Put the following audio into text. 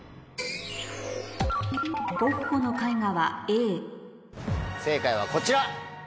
ゴッホの絵画はＡ正解はこちら。